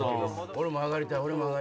俺も上がりたい！